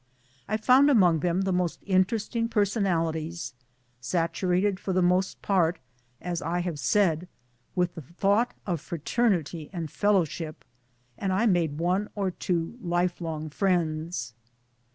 I found among them the most interesting personalities, saturated for the most part, as I have said, with the thought of fraternity and fellowship ; and I made one or two lifelong friends.